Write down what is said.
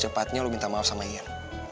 kalau bisa secepatnya lo minta maaf sama ian